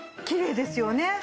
きれいですよね。